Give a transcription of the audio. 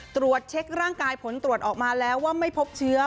ตรวจเช็คร่างกายผลตรวจออกมาแล้วว่าไม่พบเชื้อ